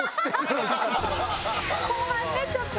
後半ねちょっと。